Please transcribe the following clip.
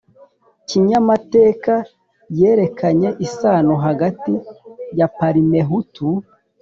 kinyamateka yerekanye isano hagati ya parimehutu